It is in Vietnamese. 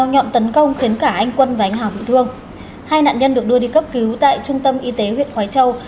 hai nạn nhân được đưa đi cấp cứu tại trung tâm y tế huyện khói châu